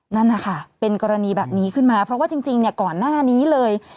นั่นนะคะเป็นกรณีแบบนี้ขึ้นมาเพราะว่าจริงก่อนหน้านี้เลย